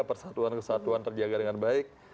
persatuan kesatuan terjaga dengan baik